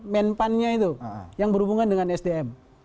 menpannya itu yang berhubungan dengan sdm